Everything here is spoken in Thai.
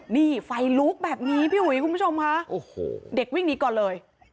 นี่ไฟลุกแบบนี้พี่อุ๋ยคุณผู้ชมค่ะโอ้โหเด็กวิ่งหนีก่อนเลย